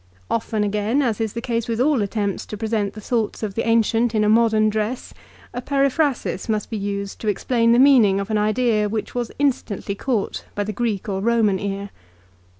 Often again, as is the case with all attempts to present the thoughts of the ancient in a modern dress, a periphrasis must be used to explain the meaning of an idea which was instantly caught by the Greek or Eoman ear.